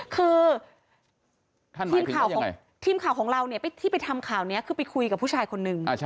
คือทีมข่าวของเราที่ไปทำข่าวนี้คือไปคุยกับผู้ชายคนนึง